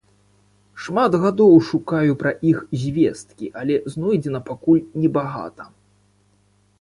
Шмат гадоў шукаю пра іх звесткі, але знойдзена пакуль небагата.